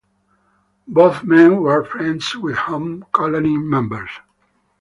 Both men were friends with Home colony members.